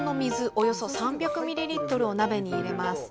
およそ３００ミリリットルを鍋に入れます。